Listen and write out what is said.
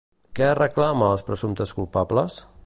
Què es reclama als presumptes culpables?